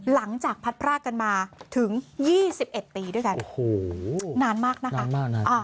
หลังจากพัดพรากันมาถึงยี่สิบเอ็ดปีด้วยกันโอ้โหนานมากนะคะนานมากนาน